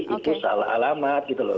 itu salah alamat gitu loh